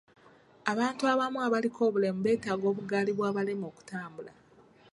Abantu abamu abaliko obulemu beetaaga obugaali bw'abalema okutambula.